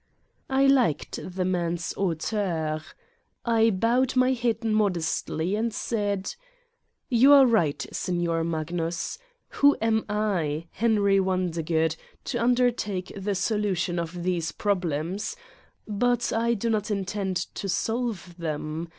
I liked the man's hauteur. I bowed my head modestly and said : "You are right, Signor Magnus. Who am I, Henry Wondergood, to undertake the solution of these problems? But I do not intend to solve them.